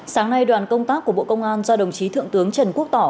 sáng nay đoàn công tác của bộ công an do đồng chí thượng tướng trần quốc tỏ